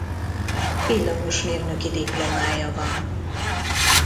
Villamosmérnöki diplomája van.